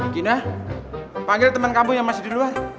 gina panggil teman kamu yang masih di luar